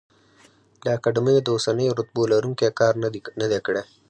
د اکاډمیو د اوسنیو رتبو لروونکي کار نه دی کړی.